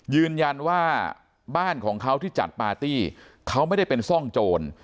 ยืนยันว่าบ้านของเขาที่จัดปาร์ตี้เขาไม่ได้เป็นซ่องโจร